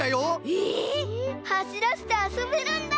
えっ！？はしらせてあそべるんだ！